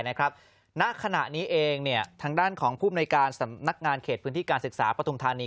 ณขณะนี้เองทางด้านของภูมิในการสำนักงานเขตพื้นที่การศึกษาปฐุมธานี